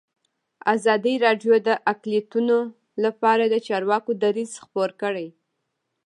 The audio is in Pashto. ازادي راډیو د اقلیتونه لپاره د چارواکو دریځ خپور کړی.